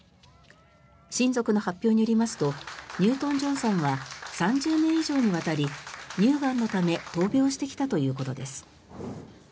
親族の発表によりますとニュートン・ジョンさんは３０年以上にわたり乳がんのため闘病してきたということです。